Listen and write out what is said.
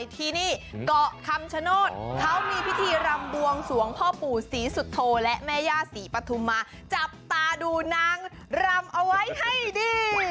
ที่นี่เกาะคำชโนธเขามีพิธีรำบวงสวงพ่อปู่ศรีสุโธและแม่ย่าศรีปฐุมาจับตาดูนางรำเอาไว้ให้ดี